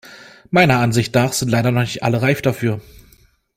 Meiner Ansicht nach sind leider noch nicht alle reif dafür.